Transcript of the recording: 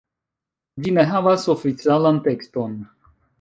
Ĝi ne havas oficialan tekston.